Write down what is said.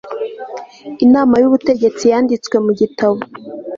Inama y Ubutegetsi yanditswe mu gitabo